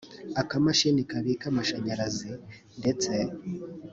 akamashini kabika amashanyarazi ndetse